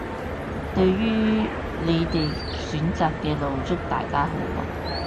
對於你哋選擇嘅路，祝大家好運